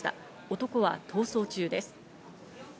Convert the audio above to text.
男は逃走中です。